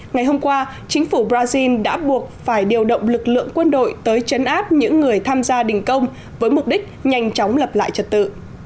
ngày hôm qua chính phủ brazil đã buộc phải điều động lực lượng quân đội tới chấn áp những người tham gia đình công với mục đích nhanh chóng lập lại trật tự